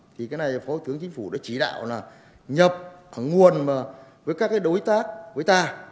thì cái này phó thủ tướng chính phủ đã chỉ đạo là nhập nguồn với các đối tác với ta